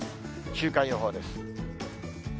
週間予報です。